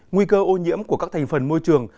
nguy cơ ô nhiễm của các thành phần môi trường